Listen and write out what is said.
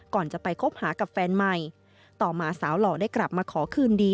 ก่อนจะไปคบหากับแฟนใหม่ต่อมาสาวหล่อได้กลับมาขอคืนดี